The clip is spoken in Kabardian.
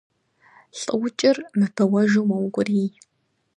Лӏыукӏыр мыбэуэжу мэукӏурий.